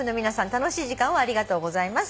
楽しい時間をありがとうございます」